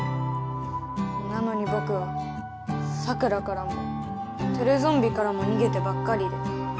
なのにぼくはサクラからもテレゾンビからもにげてばっかりで。